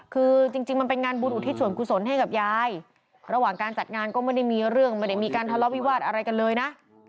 คือจริงมันเป็นงานบุญอุทิศส่วนกุศลให้กับยายระหว่างการจัดงานก็ไม่ได้มีเรื่องไม่ได้มีการทะเลาะวิวาสอะไรกันเลยนะ